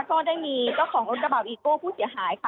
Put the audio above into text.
ก็ได้มีก็ของรถกระบาดผู้เสียหายค่ะ